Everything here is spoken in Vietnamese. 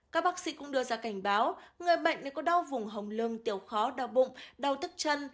các bác sĩ cũng đưa ra cảnh báo người bệnh nếu có đau vùng hồng lưng tiểu khó đau bụng đau thức chân